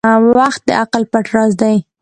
• وخت د عقل پټ راز دی.